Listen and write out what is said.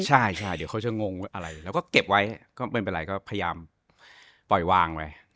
ใช่เดี๋ยวเขาจะงงอะไรแล้วก็เก็บไว้ก็ไม่เป็นไรก็พยายามปล่อยวางไว้